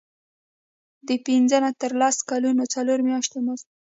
د پنځه نه تر لس کلونو څلور میاشتې مزد.